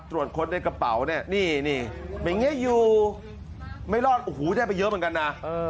ตรวจค้นในกระเป๋าเนี่ยไม่งี้อยู่ไม่รอดได้ไปเยอะเหมือนกันนะ